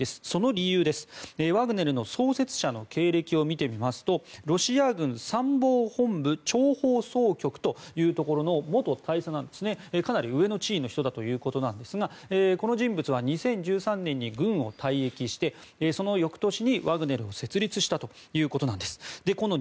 その理由、ワグネルの創設者の経歴を見てみますとロシア軍参謀本部諜報総局というところの元大佐でかなり上の地位の人だということですがこの人物は２０１３年に軍を退役してその翌年に、ワグネルを設立したということなんです。